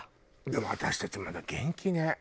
でも私たちまだ元気ね